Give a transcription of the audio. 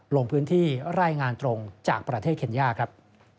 ลงพื้นที่รายงานตรงจากประเทศเคนย่าครับ